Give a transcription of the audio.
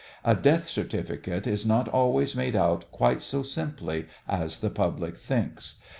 A death certificate is not always made out quite so simply as the public thinks.